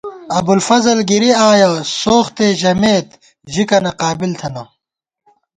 ابُوالفضل گِری آیَہ، سوختےژَمېت ژِکَنہ قابل تھنہ